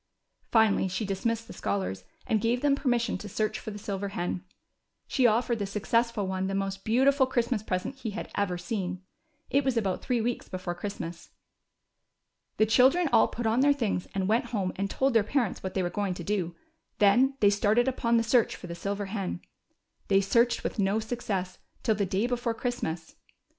Finally she dismissed the scholars, and gave them permission to search for the silver hen. She offered the successful one the most beautiful Christmas present he had ever seen. It was about three weeks before Christmas. The children all put on their things, and went home and told their parents what they Avere going to do ; then they started upon the search for the sih^er hen. They searched Avith no success till the day before Christmas.